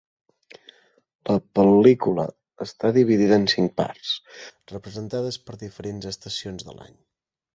La pel·lícula està dividida en cinc parts, representades per diferents estacions de l'any.